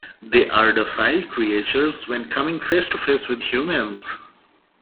They are docile creatures when coming face to face with humans.